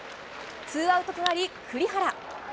ツーアウトとなり、栗原。